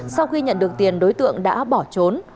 sau khi nhận được tiền đối tượng đã bỏ trốn